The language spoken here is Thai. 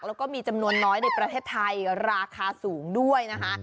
แล้วก็มีจำนวนน้อยในประเทศไทยราคาสูงด้วยนะคะ